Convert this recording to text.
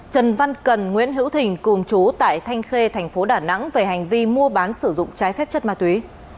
trần văn cần nguyễn hữu thình cùng chú tại thanh khê thành phố đà nẵng về hành vi mua bán sử dụng trái phép chất ma túy